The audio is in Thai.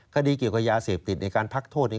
คดีเกี่ยวกับยาเสพติดในการพักโทษ